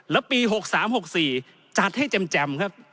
แล้วปี๖๓๖๔จัดให้แจ่มครับ